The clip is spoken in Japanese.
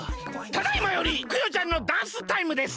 ただいまよりクヨちゃんのダンスタイムです！